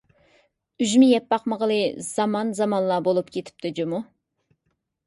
ئۈجمە يەپ باقمىغىلى زامان-زامانلار بولۇپ كېتىپتۇ جۇمۇ.